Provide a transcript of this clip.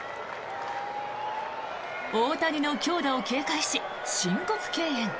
大谷の強打を警戒し申告敬遠。